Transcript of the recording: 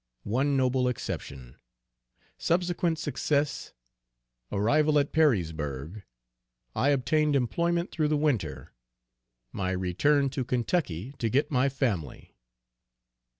One noble exception. Subsequent success. Arrival at Perrysburgh. I obtained employment through the winter. My return to Kentucky to get my family.